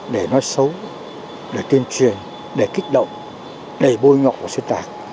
để nói xấu để tuyên truyền để kích động để bôi nhọt của xuyên tạc